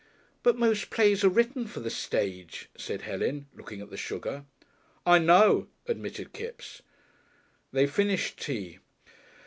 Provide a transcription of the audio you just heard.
"But most plays are written for the stage," said Helen, looking at the sugar. "I know," admitted Kipps. They finished tea.